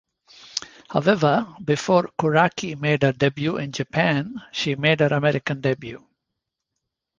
However, before Kuraki made her debut in Japan, she made her American debut.